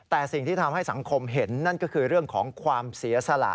แต่สิ่งที่ทำให้สังคมเห็นนั่นก็คือเรื่องของความเสียสละ